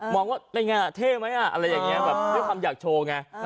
มองว่าเป็นยังไงเท่หรือไม่อ่ะอะไรอย่างนี้เรียกความอยากโชว์ไง